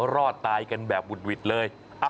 รอดตายกันแบบปุ่นเลย